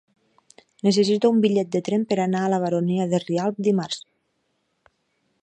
Necessito un bitllet de tren per anar a la Baronia de Rialb dimarts.